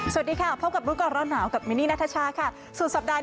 สวัสดีค่ะพบกับรุกรรณะหนาวกับมินินาธิชาค่ะสุดสัปดาห์